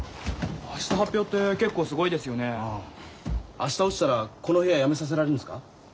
明日落ちたらこの部屋やめさせられるんですか？